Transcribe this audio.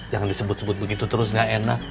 yang disebut sebut begitu terus gak enak